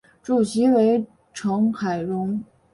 主席为成海荣。